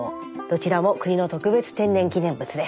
どちらも国の特別天然記念物です。